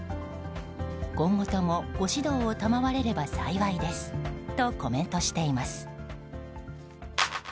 今後ともご指導を賜れれば幸いですとコメントしています。